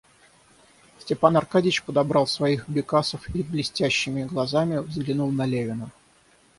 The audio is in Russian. Степан Аркадьич подобрал своих бекасов и блестящими глазами взглянул на Левина.